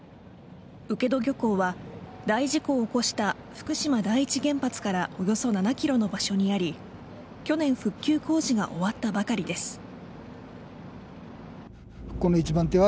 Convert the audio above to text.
請戸漁港は大事故を起こした福島第一原発からおよそ７ｋｍの場所にあり去年復旧工事が終わったばかりです。